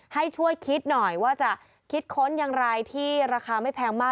ให้ช่วยคิดหน่อยว่าจะคิดค้นอย่างไรที่ราคาไม่แพงมาก